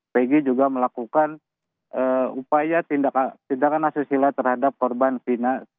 pg juga melakukan upaya tindakan asusila terhadap korban fina